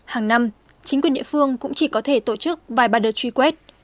hàng năm chính quyền địa phương cũng chỉ có thể tổ chức vài ba đợt truy quét